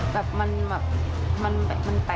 แบบมันแบบมันแป่งอะ